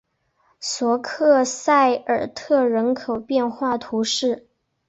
索克塞罗特人口变化图示